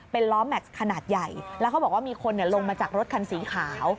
เป็นล้อแม็กซ์ขนาดใหญ่แล้วเขาบอกว่ามีคนลงมาจากรถคันสีขาว